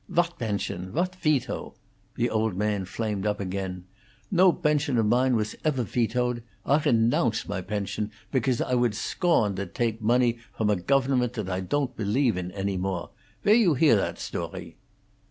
"What bension? What feto?" The old man flamed up again. "No bension of mine was efer fetoedt. I renounce my bension, begause I would sgorn to dake money from a gofernment that I ton't peliefe in any more. Where you hear that story?"